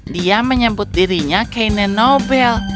dia menyebut dirinya kene nobel